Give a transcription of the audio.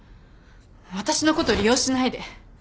私のこと利用しないで。